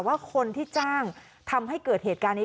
ว่าคนที่จ้างทำให้เกิดเหตุการณ์นี้